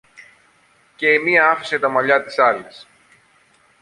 και η μια άφησε τα μαλλιά της άλλης.